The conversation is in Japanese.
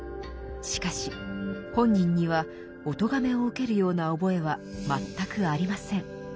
しかし本人にはおとがめを受けるような覚えは全くありません。